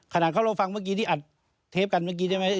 ขนาดเขาเราฟังเมื่อกี้ที่อัดเทปกันเมื่อกี้ได้ไหม